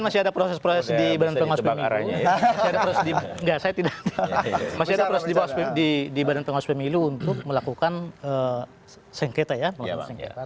mas yeda proses proses di bpmi lu untuk melakukan sengketa ya